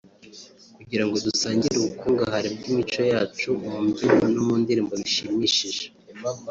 kugira ngo dusangire ubukungahare bw’imico yacu mu mbyino no mu ndirimbo bishimishije